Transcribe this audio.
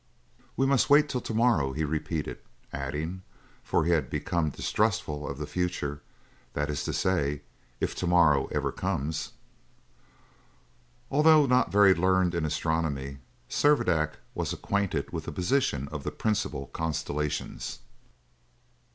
"We must wait till to morrow," he repeated; adding, for he had become distrustful of the future, "that is to say, if to morrow ever comes." Although not very learned in astronomy, Servadac was acquainted with the position of the principal constellations.